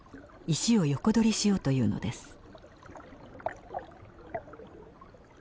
石を横取りしようというのです。